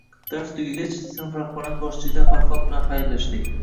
Darslar tugagach, sinf rahbarimiz boshchiligida Farhod bilan xayrlashdik